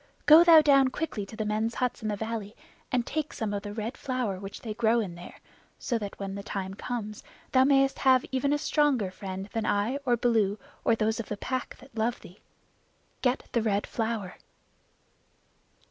"Go thou down quickly to the men's huts in the valley, and take some of the Red Flower which they grow there, so that when the time comes thou mayest have even a stronger friend than I or Baloo or those of the Pack that love thee. Get the Red Flower."